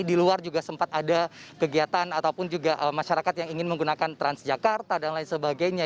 di luar juga sempat ada kegiatan ataupun juga masyarakat yang ingin menggunakan transjakarta dan lain sebagainya